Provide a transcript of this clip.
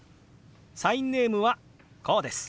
サインネームはこうです。